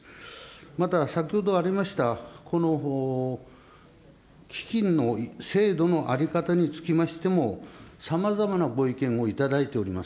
また、先ほどありました、この基金の制度の在り方につきましても、さまざまなご意見を頂いております。